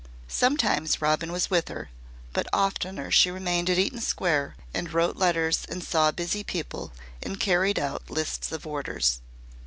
Sometimes Robin was with her, but oftener she remained at Eaton Square and wrote letters and saw busy people and carried out lists of orders.